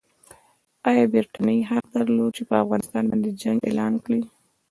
ایا برټانیې حق درلود چې پر افغانستان باندې جنګ اعلان کړي؟